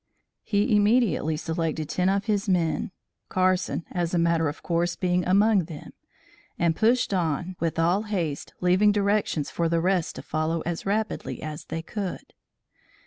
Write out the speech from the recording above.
He immediately selected ten of his men, Carson, as a matter of course being among them, and pushed on with all haste, leaving directions for the rest to follow as rapidly as they could.